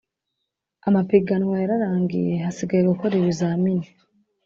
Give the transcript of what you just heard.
amapiganwa yararangiye hasigaye gukora ibizamini